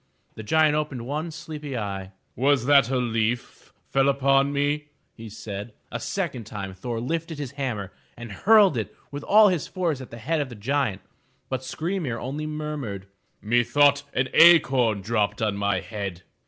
The giant opened one sleepy eye. '*Was that a leaf fell on me?'* said he. A second time Thor lifted his hammer and hurled it with all his force at the head of the giant. But Skry 'mir only murmured: "Methought an acorn dropped on my head.